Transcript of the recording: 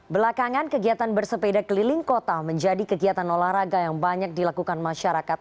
belakangan kegiatan bersepeda keliling kota menjadi kegiatan olahraga yang banyak dilakukan masyarakat